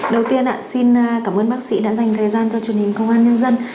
đầu tiên xin cảm ơn bác sĩ đã dành thời gian cho truyền hình công an nhân dân